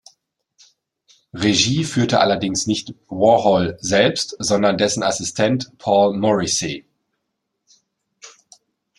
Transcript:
Regie führte allerdings nicht Warhol selbst, sondern dessen Assistent Paul Morrissey.